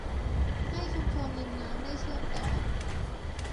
ให้ชุมชนริมน้ำได้เชื่อมต่อ